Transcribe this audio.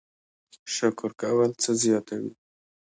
شکر کول څه زیاتوي؟